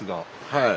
はい。